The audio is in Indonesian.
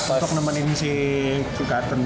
untuk nemenin si cukaten